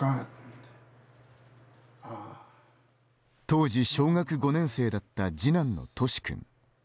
当時、小学５年生だった次男の都史君。